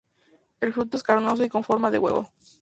El fruto es carnoso y con forma de huevo.